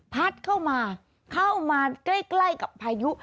พัดเข้ามาเข้ามาใกล้กับพายุ